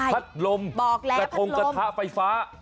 พัดลมกระทะกระทะไฟฟ้า